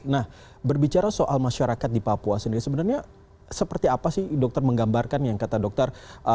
nah berbicara soal masyarakat di papua sendiri sebenarnya seperti apa sih dokter menggambarkan yang kata dokter